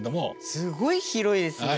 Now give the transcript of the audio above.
すごい広いですね！